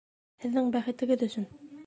Һеҙҙең бәхетегеҙ өсөн!